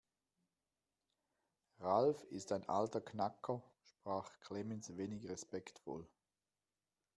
Ralf ist ein alter Knacker, sprach Clemens wenig respektvoll.